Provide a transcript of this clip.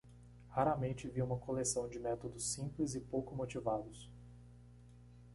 Raramente vi uma coleção de métodos simples e pouco motivados.